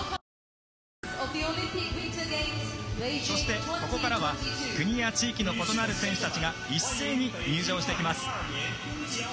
そして、ここからは国や地域の異なる選手たちが一斉に入場してきます。